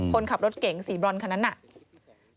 คนขับรถเก่งสีบรอนคนนั้น